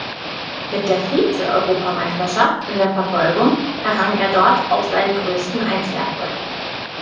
Mit der Vize-Europameisterschaft in der Verfolgung errang er dort auch seinen größten Einzelerfolg.